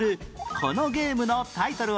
このゲームのタイトルは？